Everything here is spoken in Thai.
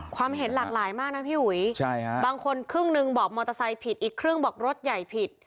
ความเห็นหลากหลายมากนะพี่อุ๋ยบางคนครึ่งหนึ่งบอกมอเตอร์ไซค์ผิดอีกครึ่งบอกรถใหญ่ผิด